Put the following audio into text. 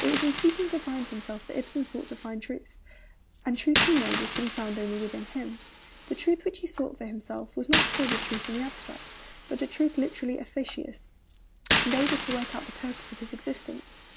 It was in seeking to find himself that Ibsen sought to find truth; and truth he knew was to be found only within him. The truth which he sought for himself was not at all truth in the abstract, but a truth literally 'efficacious,' and able to work out the purpose of his existence.